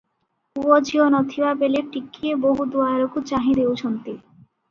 ପୁଅ ଝିଅ ନ ଥିବା ବେଳେ ଟିକିଏ ବୋହୂ ଦୁଆରକୁ ଚାହିଁ ଦେଉଛନ୍ତି ।